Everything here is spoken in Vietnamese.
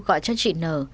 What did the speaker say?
gọi cho chị nờ